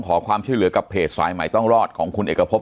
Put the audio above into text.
ขอความช่วยเหลือกับเพจสายใหม่ต้องรอดของคุณเอกพบ